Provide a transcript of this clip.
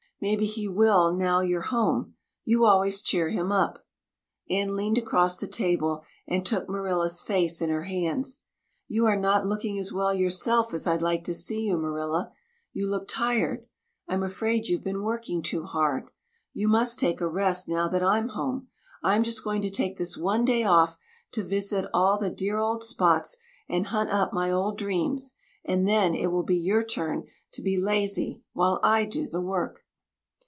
Maybe he will now you're home. You always cheer him up." Anne leaned across the table and took Marilla's face in her hands. "You are not looking as well yourself as I'd like to see you, Marilla. You look tired. I'm afraid you've been working too hard. You must take a rest, now that I'm home. I'm just going to take this one day off to visit all the dear old spots and hunt up my old dreams, and then it will be your turn to be lazy while I do the work."